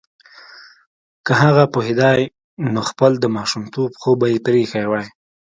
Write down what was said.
که هغه پوهیدای نو خپل د ماشومتوب خوب به یې پریښی وای